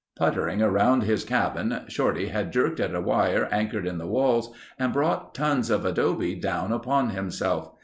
Puttering around his cabin, Shorty had jerked at a wire anchored in the walls and brought tons of adobe down upon himself.